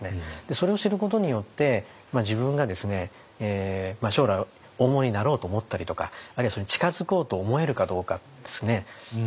それを知ることによって自分がですね将来大物になろうと思ったりとかあるいはそれに近づこうと思えるかどうかですね。